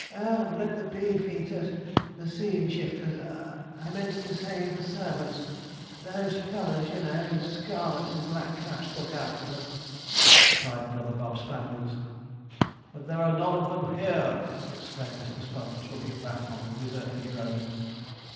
'Oh, let the beef eaters the scene shifters I meant to say the servants those fellows, you know, in scarlet and black caps, look after them,' replied brother Bob Spangles. 'But there are none of them here,' exclaimed Mr. Sponge, looking back on the deserted road.